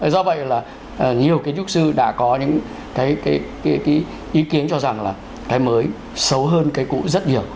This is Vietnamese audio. do vậy là nhiều kiến trúc sư đã có những cái ý kiến cho rằng là cái mới xấu hơn cái cũ rất nhiều